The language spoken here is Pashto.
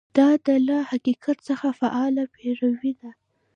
دا له حقیقت څخه فعاله پیروي ده.